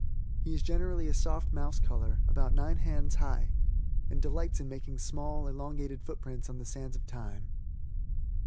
He is generally a soft mouse color, about nine hands high, and delights in making small, elongated foot prints on the sands of time.